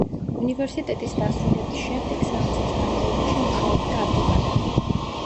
უნივერსიტეტის დასრულების შემდეგ სამი წლის განმავლობაში მუშაობდა ადვოკატად.